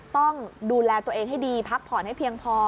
ต้องดูแลตัวเองให้ดีพักผ่อนให้เพียงพอ